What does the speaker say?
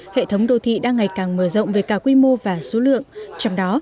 hệ thống đô thị đang ngày càng mở rộng về cao quy mô và số lượng trong đó